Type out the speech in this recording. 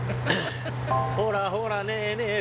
ほらほらねえね